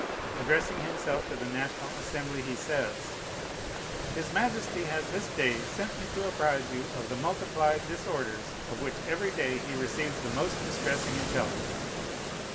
Addressing himself to the National Assembly, he says, "His Majesty has this day sent me to apprise you of the multiplied disorders of which every day he receives the most distressing intelligence.